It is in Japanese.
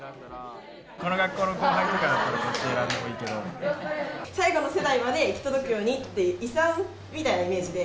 この学校の後輩とかだったら、最後の世代まで行き届くようにっていう、遺産みたいなイメージで。